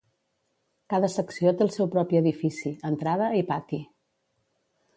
Cada secció té el seu propi edifici, entrada i pati.